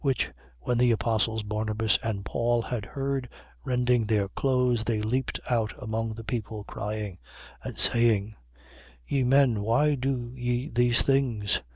14:13. Which, when the apostles Barnabas and Paul had heard, rending their clothes, they leaped out among the people, crying, 14:14. And saying: Ye men, why do ye these things?